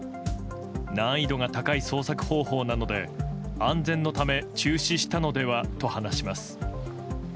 難易度が高い捜索方法なので安全のため中止したのではと話します。